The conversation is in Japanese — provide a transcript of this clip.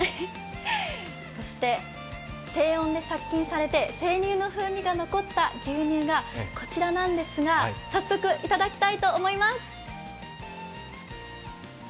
そして低温で殺菌されて天然の風味が残った牛乳がこちらなんですが早速いただきたいと思います。